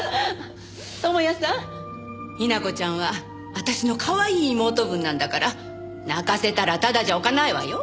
友哉さん雛子ちゃんは私のかわいい妹分なんだから泣かせたらただじゃおかないわよ。